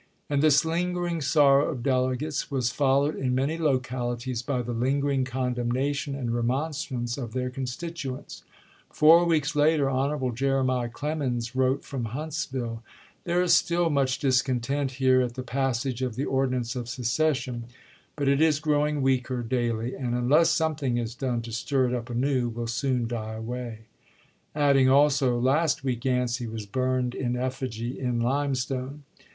And this lingering sorrow of delegates was followed in many localities by the lingering condemnation and remonstrance of their constituents. Four weeks later Hon. Jere. Clemens wrote from Hunts ville :" There is still much discontent here at the passage of the ordinance of secession, but it is growing weaker daily, and, unless something is done to stir it up anew, will soon die away;" adding, also, "Last week Yancey was burned in effigy in Limestone."